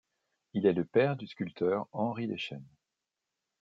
Il est le père du sculpteur Henri Lechesne.